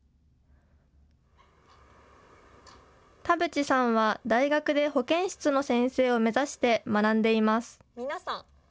田渕さんは大学で保健室の先生を目指して学んでいます。